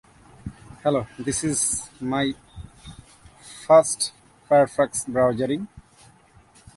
The left-adjoint of the Frobenius-Perron operator is the Koopman operator or composition operator.